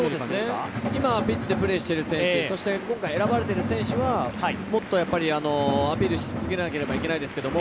今ピッチでプレーしている選手、そして選ばれてる選手はもっとアピールし続けなければいけないですけど